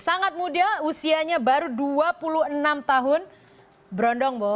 sangat muda usianya baru dua puluh enam tahun berondong bo